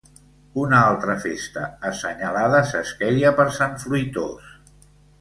Una altra festa assenyalada s'esqueia per sant Fruitós.